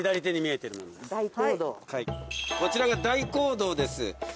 こちらが大講堂です。